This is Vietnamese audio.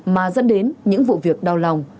mà dẫn đến những vụ việc đau lòng